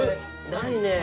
ないね。